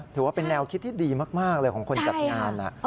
ถือว่าเป็นแนวคิดที่ดีมากเลยของคนจัดงาน